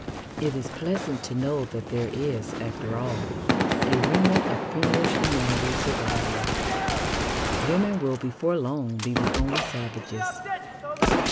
It is pleasant to know that there is, after all, a remnant of primitive humanity surviving. Women will before long be the only savages.